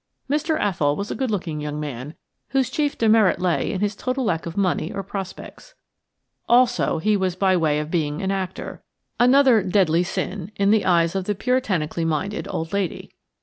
Mr. Athol was a good looking young man, whose chief demerit lay in his total lack of money or prospects. Also he was by way of being an actor, another deadly sin in the eyes of the puritanically minded old lady.